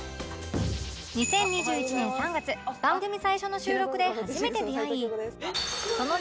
２０２１年３月番組最初の収録で初めて出会いその夏